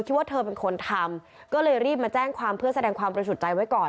ว่าเธอเป็นคนทำก็เลยรีบมาแจ้งความเพื่อแสดงความบริสุทธิ์ใจไว้ก่อน